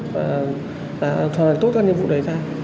và an toàn là tốt các nhiệm vụ đấy ra